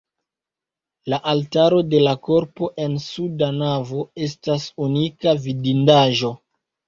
La altaro de la korpo en suda navo estas unika vidindaĵo.